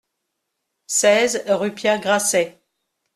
seize rue Pierre Grasset